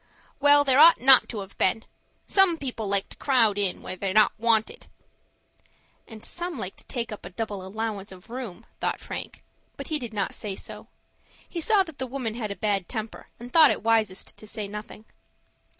"Well, there ought not to have been. Some people like to crowd in where they're not wanted." "And some like to take up a double allowance of room," thought Frank; but he did not say so. He saw that the woman had a bad temper, and thought it wisest to say nothing.